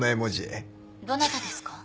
どなたですか？